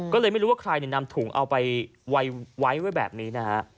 ก็เลยไม่รู้ว่าใครเนี่ยนำถุงเอาไปไว้ไว้ไว้แบบนี้นะฮะ